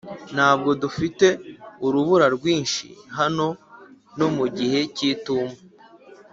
ntabwo dufite urubura rwinshi hano no mu gihe cy'itumba.